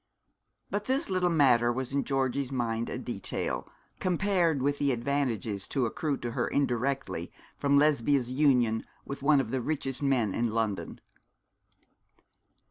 But this little matter was in Georgie's mind a detail, compared with the advantages to accrue to her indirectly from Lesbia's union with one of the richest men in London.